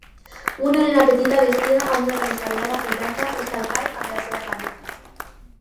Una nena petita vestida amb una camisa blava i blanca està al parc amb la seva mare.